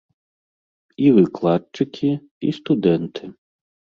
І выкладчыкі, і студэнты.